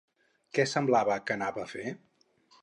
Què semblava que anava a fer?